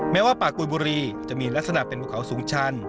แม้ว่าป่ากุยบุรีจะมีลักษณะเป็นภูเขาสูงชัน